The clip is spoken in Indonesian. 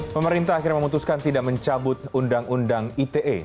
pemerintah akhirnya memutuskan tidak mencabut undang undang ite